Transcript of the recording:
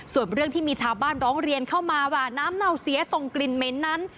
ส่วนเรื่องที่มีชาวบ้านร้องเรียนเข้ามาว่าน้ำเน่าเสียส่งกลิ่นเหม็นนั้น